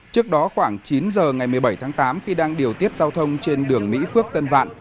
trước đó khoảng chín giờ ngày một mươi bảy tháng tám khi đang điều tiết giao thông trên đường mỹ phước tân vạn